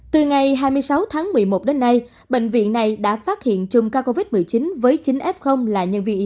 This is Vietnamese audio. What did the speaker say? từ ngày hai mươi sáu tháng một mươi một đến nay bệnh viện này đã phát hiện chung ca covid một mươi chín với chín f là nhân viên y tế